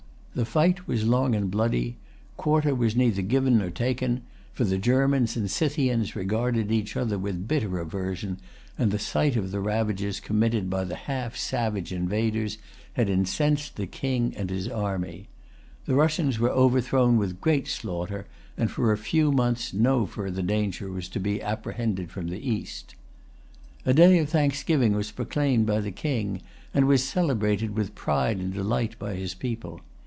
The fight was long and bloody. Quarter was neither given nor taken; for the Germans and Scythians regarded each other with bitter aversion, and the sight of the ravages committed by the half savage invaders had incensed the King and his army. The Russians were[Pg 319] overthrown with great slaughter; and for a few months no further danger was to be apprehended from the East. A day of thanksgiving was proclaimed by the King, and was celebrated with pride and delight by his people.